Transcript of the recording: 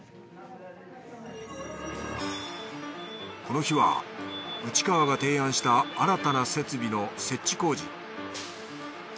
この日は内川が提案した新たな設備の設置工事。